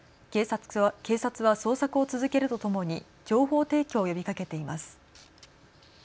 警察は捜索を続けるとともに情報提供を呼びかけています。